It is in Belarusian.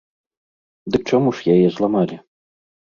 Дык чаму ж яе зламалі?